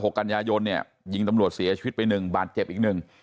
กันยายนเนี่ยยิงตำรวจเสียชีวิตไปหนึ่งบาดเจ็บอีกหนึ่ง